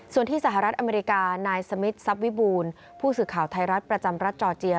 ส่วนที่สหรัฐอเมริกานายสมิทซับวิบูลผู้สื่อข่าวไทยรัฐประจำรัฐจอร์เจีย